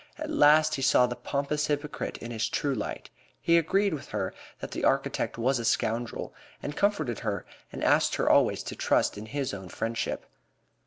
At last he saw the pompous hypocrite in his true light. He agreed with her that the architect was a scoundrel, and comforted her, and asked her always to trust in his own friendship.